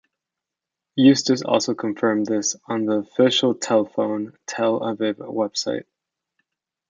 Eustis also confirmed this on the official Telefon Tel Aviv website.